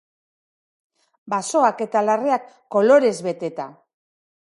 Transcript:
Basoak eta larreak kolorez beteta.